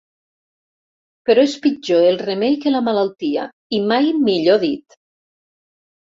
Però és pitjor el remei que la malaltia, i mai millor dit.